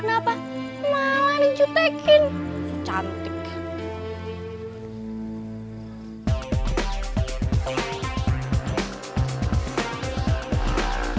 lo bener bener jahat boy